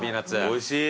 おいしい。